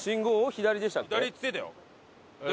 左っつってたよ。